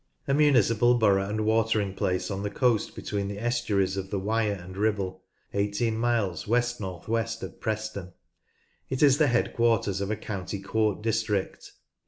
A municipal borough and watering place on the coast between the estuaries of the Wyre and Ribble, eighteen miles west north west of Preston. It is the head quarters of a county court district.